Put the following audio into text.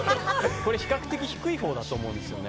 これ比較的低いほうだと思うんですよね。